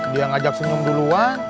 dia ngajak senyum duluan